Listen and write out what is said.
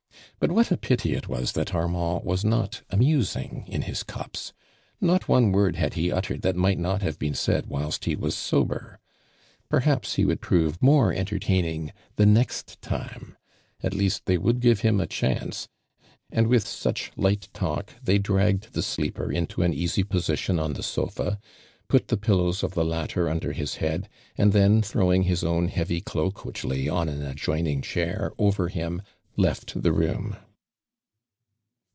But what a Eity it was that Armand was not amusing in is cups. Not one word had he uttered that might not have been said whilst he was sober. I'erhaps he would prove more entertaining the next time. At least they would give him a chance, and with such light talk they dragged the sleeper into an easy position on the sofa, put the pillows of the latter under his iieaii, and then throwing his own heavy cloak which lay on an adjoin ing chair, over him, left the i oom.